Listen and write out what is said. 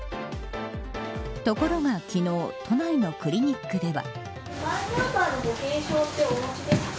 ところが昨日都内のクリニックでは。